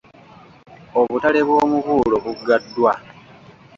Obutale bw’omubuulo buggaddwa.